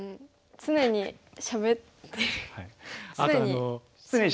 常にしゃべってる。